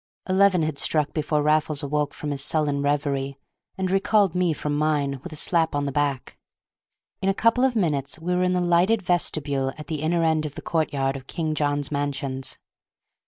Eleven had struck before Raffles awoke from his sullen reverie, and recalled me from mine with a slap on the back. In a couple of minutes we were in the lighted vestibule at the inner end of the courtyard of King John's Mansions.